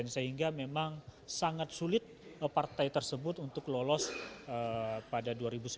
sehingga memang sangat sulit partai tersebut untuk lolos pada dua ribu sembilan belas